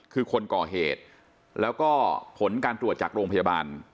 คือคนก่อเหตุแล้วก็ผลการตรวจจากโรงพยาบาล